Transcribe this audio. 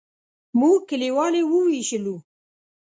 موږ کلیوال یې وویشلو.